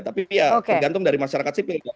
tapi ya tergantung dari masyarakat sipil